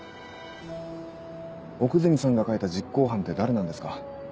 奥泉さんが書いた実行犯って誰なんですか？